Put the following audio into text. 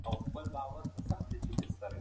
دا تیږه د میلیونونو کیلومترو په واټن کې حرکت کوي.